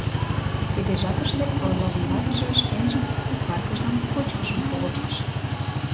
Тиде жапыште Орловын ватыже шкенжын кухаркыжлан кочкышым погыктыш.